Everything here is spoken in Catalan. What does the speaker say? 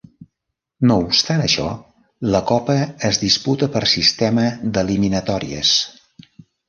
No obstant això, la Copa es disputa per sistema d'eliminatòries.